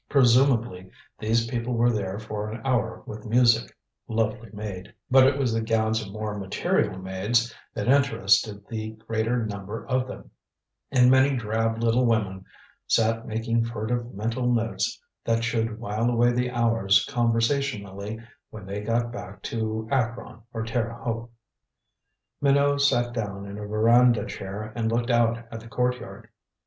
Presumably these people were there for an hour with music, lovely maid. But it was the gowns of more material maids that interested the greater number of them, and many drab little women sat making furtive mental notes that should while away the hours conversationally when they got back to Akron or Terre Haute. Minot sat down in a veranda chair and looked out at the courtyard.